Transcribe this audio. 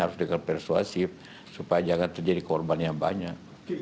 harus dengan persuasif supaya jangan terjadi korban yang banyak